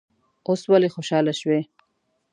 اوس ولې خوشاله شوې.